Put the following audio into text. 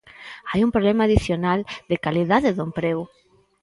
Hai un problema adicional de calidade do emprego.